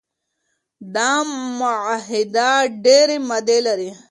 دا معاهده ډیري مادې لري.